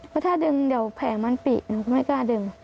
เพราะถ้าดึงเดี๋ยวแผงมันปีหนูก็ไม่กล้าดึง